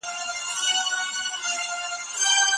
د فيوډالي نظام په خلګو سخت ظلم کاوه.